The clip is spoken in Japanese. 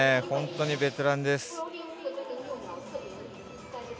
本当にベテランです。